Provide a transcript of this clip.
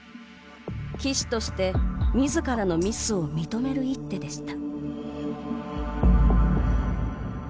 棋士として、みずからのミスを認める一手でした。